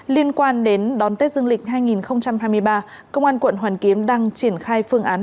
liên quan đến đón tết dương lịch hai nghìn hai mươi ba công an quận hoàn kiếm đang triển khai phương án